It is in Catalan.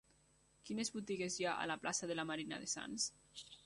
Quines botigues hi ha a la plaça de la Marina de Sants?